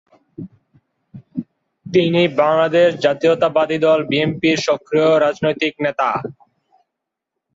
তিনি বাংলাদেশ জাতীয়তাবাদী দল বিএনপির সক্রিয় রাজনৈতিক নেতা।